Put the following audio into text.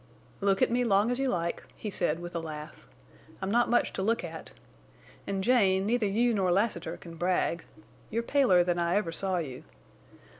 "Look at me long as you like," he said, with a laugh. "I'm not much to look at. And, Jane, neither you nor Lassiter, can brag. You're paler than I ever saw you.